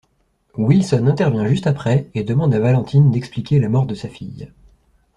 Wilson intervient juste après, et demande à Valentine d'expliquer la mort de sa fille.